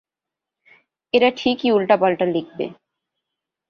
এরা ঠিকই উল্টোপাল্টা লিখবে।